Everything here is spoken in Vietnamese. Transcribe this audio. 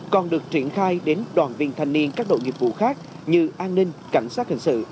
còn được triển khai đến đoàn viên thanh niên các đội nghiệp vụ khác như an ninh cảnh sát hình sự